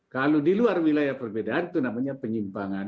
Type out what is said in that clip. kalau di luar wilayah perbedaan itu namanya penyimpangan